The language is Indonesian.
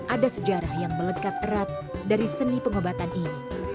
ada sejarah yang melekat erat dari seni pengobatan ini